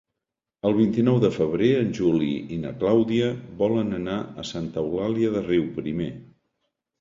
El vint-i-nou de febrer en Juli i na Clàudia volen anar a Santa Eulàlia de Riuprimer.